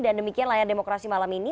dan demikian layar demokrasi malam ini